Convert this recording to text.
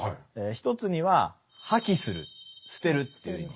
１つには破棄する捨てるという意味。